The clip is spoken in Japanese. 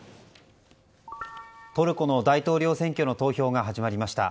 トルコの大統領選挙の投票が始まりました。